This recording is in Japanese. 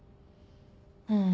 うん。